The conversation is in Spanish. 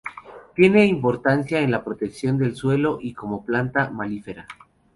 Tiene importancia en la protección del suelo y como planta melífera.